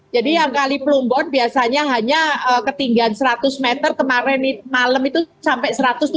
jadi yang kali plumbon biasanya hanya ketinggian seratus meter kemarin malam itu sampai satu ratus tujuh puluh